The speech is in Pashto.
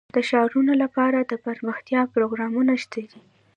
د ښارونو لپاره دپرمختیا پروګرامونه شته دي.